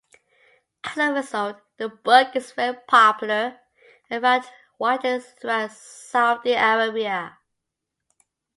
As a result, the book is very popular and found widely throughout Saudi Arabia.